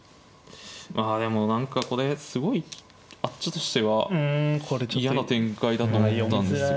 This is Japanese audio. まあでも何かこれすごいあっちとしては嫌な展開だと思ったんですよ。